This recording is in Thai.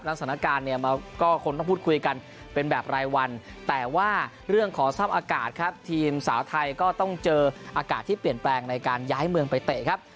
สถานการณ์เนี่ยก็คงต้องพูดคุยกันเป็นแบบรายวันแต่ว่าเรื่องของสภาพอากาศครับทีมสาวไทยก็ต้องเจออากาศที่เปลี่ยนแปลงในการย้ายเมืองไปเตะครับ